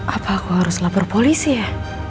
apa aku harus lapor polisi ya